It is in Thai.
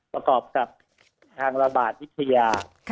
ประกอบกับทางระบาดวิทยา